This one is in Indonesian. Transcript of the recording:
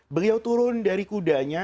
beliau turun dari kudanya